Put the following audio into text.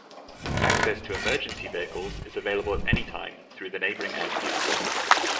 Access to emergency vehicles is available at any time through the neighbouring airfield.